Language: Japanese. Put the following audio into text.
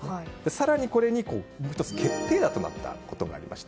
更に、これにもう１つ決定打となったことがあります。